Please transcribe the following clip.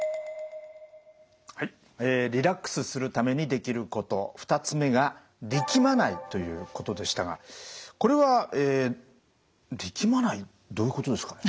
はいリラックスするためにできること２つ目が力まないということでしたがこれはえ力まないどういうことですかね？